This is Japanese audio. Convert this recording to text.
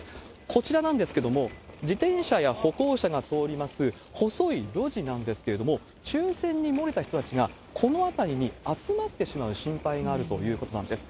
こちらなんですけれども、自転車や歩行者が通ります細い路地なんですけれども、抽せんに漏れた人たちがこの辺りに集まってしまう心配があるということなんです。